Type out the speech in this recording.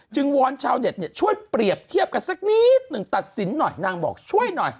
วอนชาวเน็ตช่วยเปรียบเทียบกันสักนิดหนึ่งตัดสินหน่อยนางบอกช่วยหน่อย